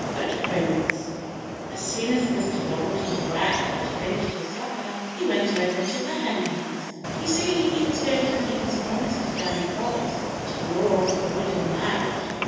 FOOTPRINTS As soon as Mr. Longtooth Rat had finished his supper he went over to the Henhouse. You see, he was going to keep his promise to Danny Fox to gnaw off the wooden latch.